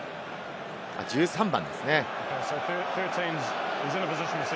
１３番ですね。